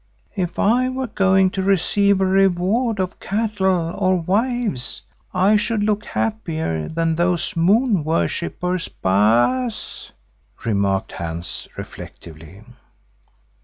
"If I were going to receive a reward of cattle or wives, I should look happier than those moon worshippers, Baas," remarked Hans reflectively.